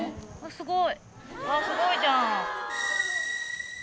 すごいじゃん。